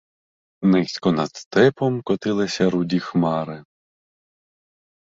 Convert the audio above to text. Низько над степом котилися руді хмари.